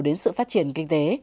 đến sự phát triển kinh tế